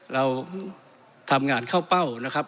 เราทำงานเข้าเป้านะครับ